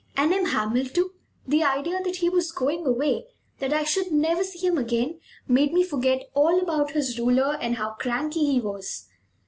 And M. Hamel, too; the idea that he was going away, that I should never see him again, made me forget all about his ruler and how cranky he was.